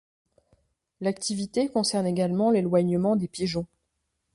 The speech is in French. L'activité concerne également l'éloignement des pigeons.